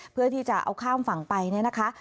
เพื่อที่จะเอาข้ามฝั่งไปเนี่ยนะคะ